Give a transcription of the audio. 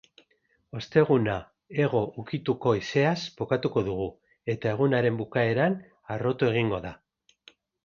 Osteguna, hego ukituko haizeaz bukatuko dugu eta egunaren bukaeran harrotu egingo da.